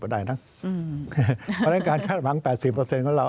เพราะฉะนั้นการคาดหวัง๘๐ของเรา